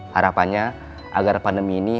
harapannya agar pandemi ini